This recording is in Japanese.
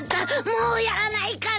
もうやらないから。